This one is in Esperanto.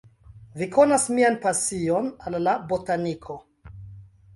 Vi konas mian pasion al la botaniko.